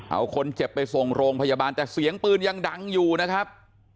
เอาคนเจ็บไปส่งโรงพยาบาลแต่เสียงปืนยังดังอยู่นะครับ